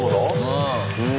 うん。